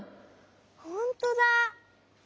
ほんとだ！